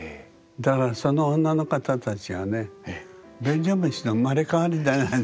だからその女の方たちはね「便所虫」の生まれ変わりじゃないですか？